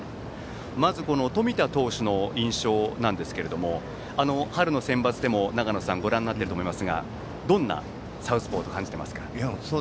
まず冨田投手の印象ですが春のセンバツでも長野さんはご覧になっていると思いますがどんなサウスポーと感じていますか。